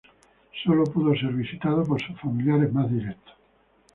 Sólo pudo ser visitado por sus familiares más directos.